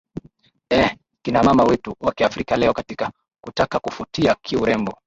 eeh kina mama wetu wa kiafrika leo katika kutaka kufutia kiurembo